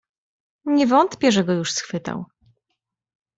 "Nie wątpię, że go już schwytał."